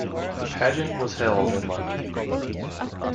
The pageant was held in London.